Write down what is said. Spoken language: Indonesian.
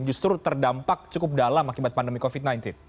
justru terdampak cukup dalam akibat pandemi covid sembilan belas